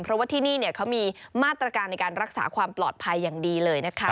เพราะว่าที่นี่เขามีมาตรการในการรักษาความปลอดภัยอย่างดีเลยนะคะ